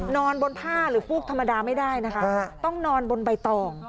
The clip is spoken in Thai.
นอนบนผ้าหรือฟูกธรรมดาไม่ได้นะคะต้องนอนบนใบตอง